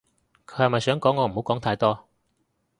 佢係咪想講我唔好講太多